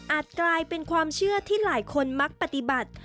กลายเป็นความเชื่อที่หลายคนมักปฏิบัติ